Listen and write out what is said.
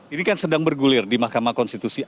ini kan sedang bergulir di mahkamah konstitusi